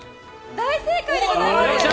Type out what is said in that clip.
大正解でございます。